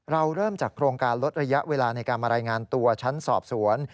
เริ่มจากโครงการลดระยะเวลาในการมารายงานตัวชั้นสอบสวน